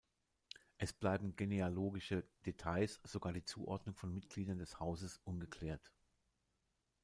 Es bleiben genealogische Details, sogar die Zuordnung von Mitgliedern des Hauses, ungeklärt.